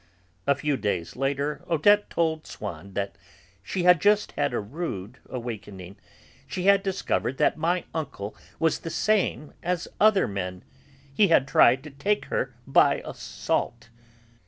A few days later Odette told Swann that she had just had a rude awakening; she had discovered that my uncle was the same as other men; he had tried to take her by assault.